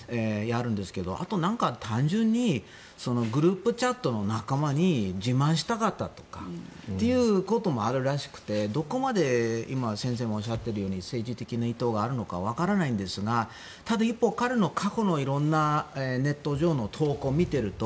あと、単純にグループチャットの仲間に自慢したかったとかっていうこともあるらしくて、どこまで今先生がおっしゃっているように政治的な意図があるのか分からないんですがただ一方、彼の過去のいろんなネット上の投稿を見ていると